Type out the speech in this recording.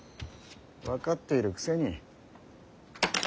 分かっているくせに。